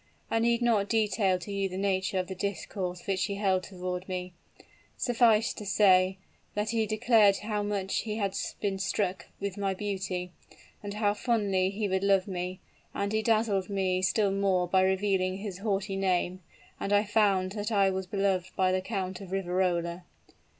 I need not detail to you the nature of the discourse which he held toward me. Suffice it to say, that he declared how much he had been struck with my beauty, and how fondly he would love me; and he dazzled me still more by revealing his haughty name; and I found that I was beloved by the Count of Riverola.